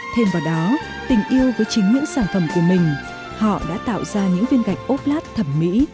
thêm vào đó tình yêu với chính những sản phẩm của mình họ đã tạo ra những viên gạch ốp lát thẩm mỹ